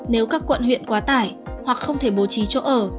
nếu các quận huyện quá tải hoặc không thể bố trí chỗ ở